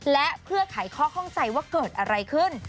และเพื่อไขข้อข้องใจว่าเกิดอะไรขึ้น